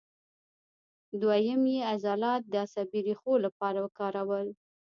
دوهیم یې عضلات د عصبي ریښو لپاره وکارول.